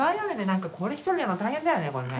なんかこれ１人でやるの大変だよねこれね。